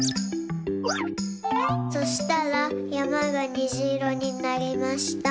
そしたらやまがにじいろになりました。